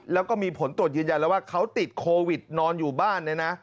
แล้วก็มีผลตรวจยืนยันแล้วว่าเขาติดโควิดนอนอยู่บ้านเนี่ยนะ